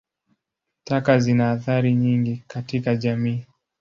Taka zina athari nyingi katika jamii.